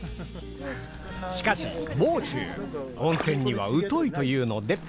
しかしもう中温泉には疎いというので。